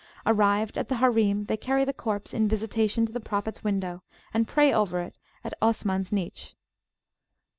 Arrived at the Harim, they carry the corpse in visitation to the Prophets window, and pray over it at Osmans niche.